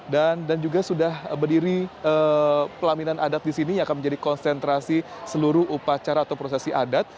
dan juga sudah berdiri pelaminan adat di sini yang akan menjadi konsentrasi seluruh upacara atau prosesi adat